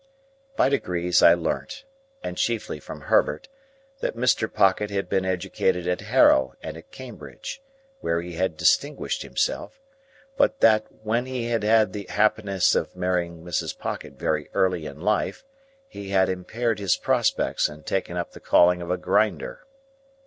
By degrees I learnt, and chiefly from Herbert, that Mr. Pocket had been educated at Harrow and at Cambridge, where he had distinguished himself; but that when he had had the happiness of marrying Mrs. Pocket very early in life, he had impaired his prospects and taken up the calling of a Grinder.